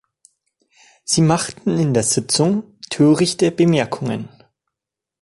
Sie machten in der Sitzung törichte Bemerkungen.